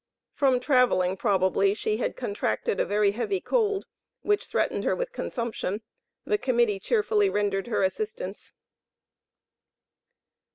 From traveling, probably, she had contracted a very heavy cold, which threatened her with consumption. The Committee cheerfully rendered her assistance.